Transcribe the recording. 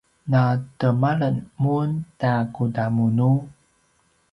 na temalem mun ta kudamunu?